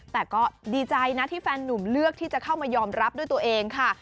แต่ก็ดีใจนะที่แฟนหนุ่มเลือกที่จะเข้ามายอมรับด้วยตัวเองค่ะ